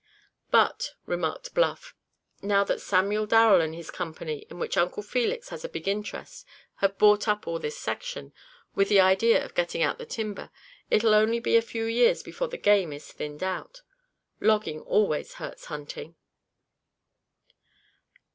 "But," remarked Bluff, "now that Samuel Darrel and his company, in which Uncle Felix has a big interest, have bought up all this section, with the idea of getting out the timber, it'll only be a few years before the game is thinned out. Logging always hurts hunting."